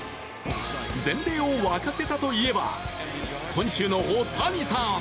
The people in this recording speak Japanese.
全米を沸かせたといえば今週の大谷さん。